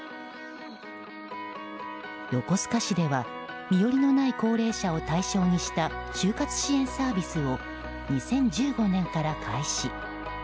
横須賀市では身寄りのない高齢者を対象にした終活支援サービスを２０１５年から開始。